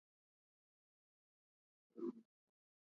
کابل د افغان کلتور په داستانونو کې راځي.